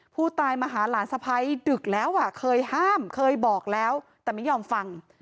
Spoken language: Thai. ผู้ตายมาหาหลานสะพ้ายดึกแล้วเคยห้ามเคยบอกแล้วแต่ไม่ยอมฟัง